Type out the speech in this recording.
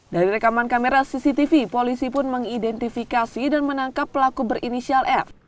dari rekaman kamera cctv polisi pun mengidentifikasi dan menangkap pelaku berinisial f